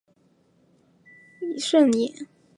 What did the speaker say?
胜眼光是香港已退役纯种竞赛马匹。